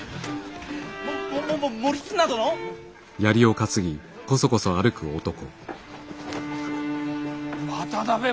ももも守綱殿！？渡辺守綱！